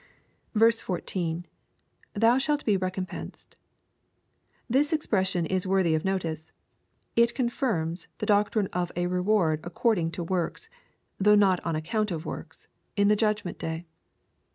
\L — [Thou shali he recompensed^ This expression is worthy of notice. It confirms the doctrine of a reward according to work8| though not on account of works, in the judgment day.